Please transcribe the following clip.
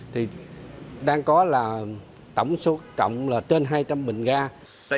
thì đang có là tổng số trọng là trên hai trăm linh bình ga